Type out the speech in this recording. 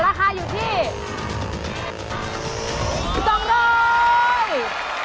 ราคาอยู่ที่๒๐๐